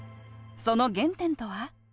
その原点とは？